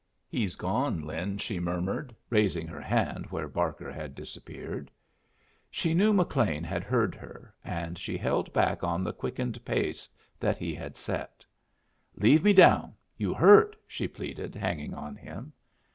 "He's gone, Lin," she murmured, raising her hand where Barker had disappeared. She knew McLean had heard her, and she held back on the quickened pace that he had set. "Leave me down. You hurt," she pleaded, hanging on him.